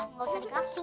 diwait satu dua satu